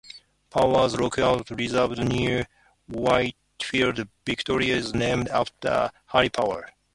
Power's Lookout Reserve near Whitfield, Victoria is named after Harry Power.